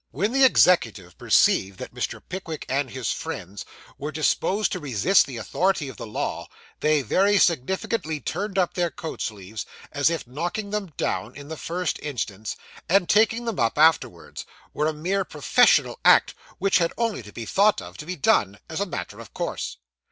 When the executive perceived that Mr. Pickwick and his friends were disposed to resist the authority of the law, they very significantly turned up their coat sleeves, as if knocking them down in the first instance, and taking them up afterwards, were a mere professional act which had only to be thought of to be done, as a matter of course.